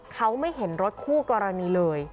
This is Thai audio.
เขาไม่เห็นรถคู่กรณีเลย